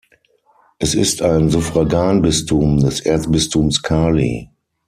Es ist ein Suffraganbistum des Erzbistums Cali.